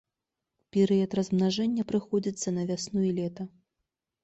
Перыяд размнажэння прыходзіцца на вясну і лета.